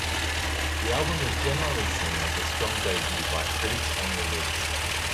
The album was generally seen as a strong debut by critics on release.